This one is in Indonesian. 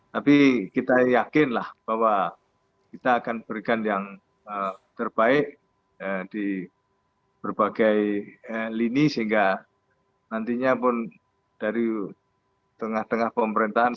tapi kita yakinlah bahwa kita akan berikan yang terbaik di berbagai lini sehingga nantinya pun dari tengah tengah pemerintahan